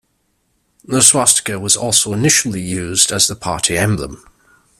The swastika was also initially used as the party emblem.